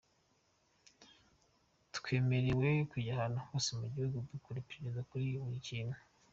Twemerewe kujya ahantu hose mu gihugu gukora iperereza kuri buri kintu.